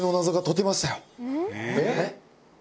えっ？